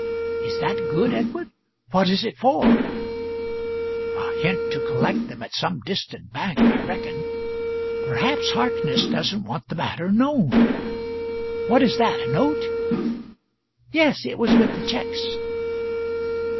"Is that good, Edward? What is it for?" "A hint to collect them at some distant bank, I reckon. Perhaps Harkness doesn't want the matter known. What is that a note?" "Yes. It was with the cheques."